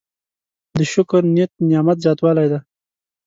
د شکر نیت د نعمت زیاتوالی دی.